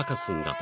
［と］